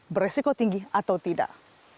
beresiko tinggi atau tidak